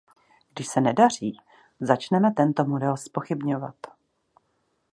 Když se nedaří, začneme tento model zpochybňovat.